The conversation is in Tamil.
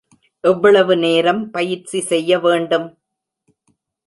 எவ்வளவு நேரம் பயிற்சி செய்ய வேண்டும்?